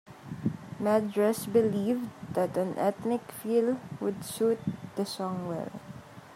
Medress believed that "an ethnic feel" would suit the song well.